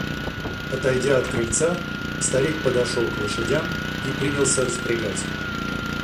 Отойдя от крыльца, старик подошел к лошадям и принялся распрягать.